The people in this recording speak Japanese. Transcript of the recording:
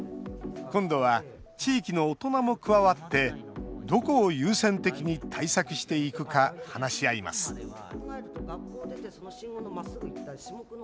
今度は地域の大人も加わってどこを優先的に対策していくか話し合います。